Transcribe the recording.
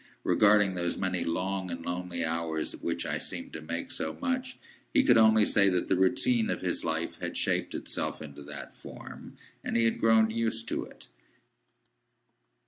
Regarding those many long and lonely hours of which I seemed to make so much, he could only say that the routine of his life had shaped itself into that form, and he had grown used to it.